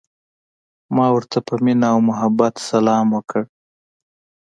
ما ورته په مینه او محبت سلام وکړ.